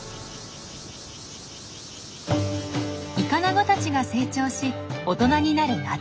イカナゴたちが成長し大人になる夏。